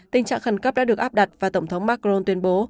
tình trạng khẩn cấp đã được áp đặt và tổng thống macron tuyên bố